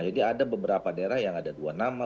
jadi ada beberapa daerah yang ada dua nama